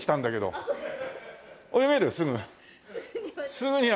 すぐには。